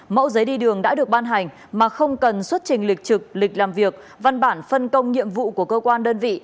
mẫu giấy đi đường đã được ban hành mà không cần xuất trình lịch trực lịch làm việc văn bản phân công nhiệm vụ của cơ quan đơn vị